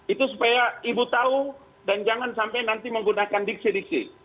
itu supaya ibu tahu dan jangan sampai nanti menggunakan diksi diksi